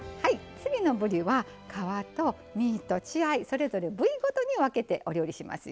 次のぶりは皮と身と血合いそれぞれ部位ごとに分けてお料理しますよ。